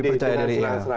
lebih percaya diri